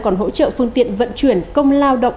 còn hỗ trợ phương tiện vận chuyển công lao động